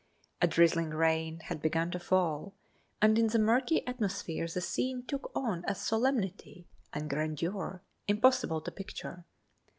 A drizzling rain had begun to fall, and in the murky atmosphere the scene took on a solemnity and grandeur impossible to picture.